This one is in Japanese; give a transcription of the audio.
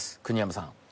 国山さん